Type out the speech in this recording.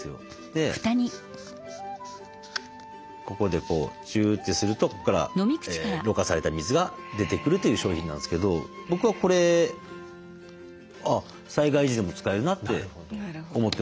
でここでこうチューッてするとここからろ過された水が出てくるという商品なんですけど僕はこれ災害時でも使えるなって思ってますけどね。